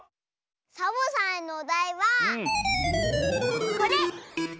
サボさんのおだいはこれ！